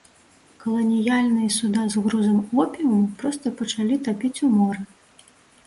Каланіяльныя суда з грузам опіуму проста пачалі тапіць ў моры.